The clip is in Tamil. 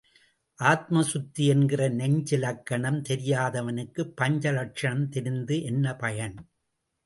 ஆத்ம சுத்தி என்கிற நெஞ்சிலக்கணம் தெரியாதவனுக்கு பஞ்ச லக்ஷணம் தெரிந்து என்ன பயன்?